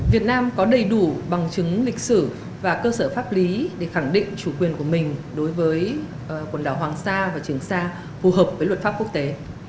việt nam có đầy đủ bằng chứng lịch sử và cơ sở pháp lý để khẳng định chủ quyền của mình đối với quần đảo hoàng sa và trường sa phù hợp với luật pháp quốc tế